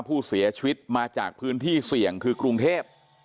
ผู้เสียชีวิตมาจากพื้นที่เสี่ยงคือกรุงเทพ